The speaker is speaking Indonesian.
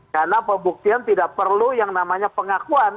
karena pembuktian tidak perlu yang namanya pengakuan